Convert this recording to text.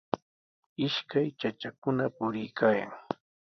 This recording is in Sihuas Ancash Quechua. Ishkay chachakuna puriykaayan.